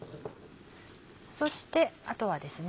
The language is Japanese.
そしてあとはですね